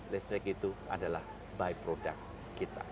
listrik itu adalah produk beli kita